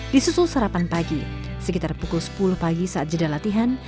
disusul sarapan pagi sekitar pukul sepuluh pagi saat jeda latihan